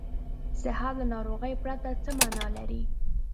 صحت له ناروغۍ پرته څه معنا لري.